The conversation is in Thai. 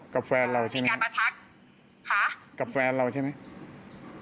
กับแฟนเราใช่ไหมคะฮะกับแฟนเราใช่ไหมคะ